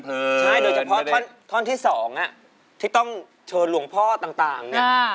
ใช่โดยเฉพาะท่อนที่๒ที่ต้องเชิญหลวงพ่อต่าง